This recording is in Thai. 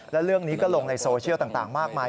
แล้วเรื่องนี้ก็ลงในโซเชียลต่างมากมาย